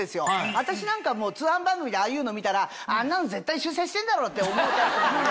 私なんかは通販番組でああいうのを見たらあんなの絶対修正してんだろって思うタイプなんで。